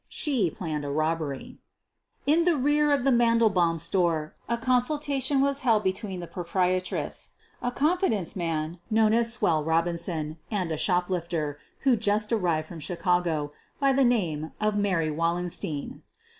She planned a robbery. In the rear of the Mandelbaum store a consulta 194 SOPHIE LYONS tion was held between the proprietress, a confidence man known as "Swell" Kobinson, and a shoplifter, just arrived from Chicago, by the name of Mary Wallenstein.